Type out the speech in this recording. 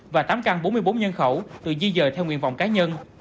và tám căn bốn mươi bốn nhân khẩu